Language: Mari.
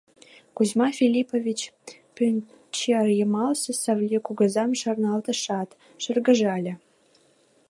Кузьма Филиппович Пӱнчерйымалсе Савлий кугызам шарналтышат, шыргыжале.